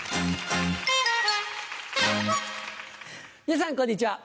皆さんこんにちは。